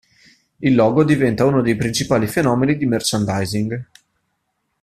Il logo diventa uno dei principali fenomeni di merchandising.